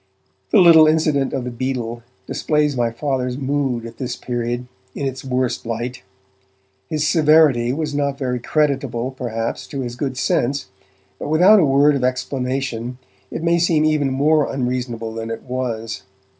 The little incident of the beetle displays my Father's mood at this period in its worst light. His severity was not very creditable, perhaps, to his good sense, but without a word of explanation it may seem even more unreasonable than it was.